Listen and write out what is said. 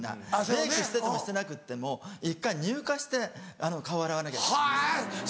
メイクしててもしてなくっても１回乳化して顔を洗わなきゃいけないんです。